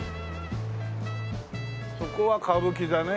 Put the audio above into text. そこは歌舞伎座ね。